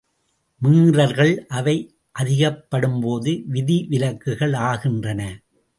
மீறல்கள் அவை அதிகப்படும்போது விதிவிலக்குகள் ஆகின்றன.